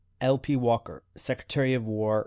"L. P. Walker, Secretary of War.